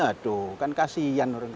aduh kan kasian